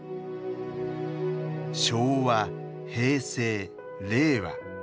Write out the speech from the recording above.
昭和平成令和。